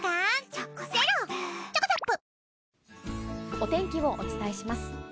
お天気をお伝えします。